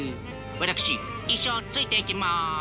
私一生ついていきます。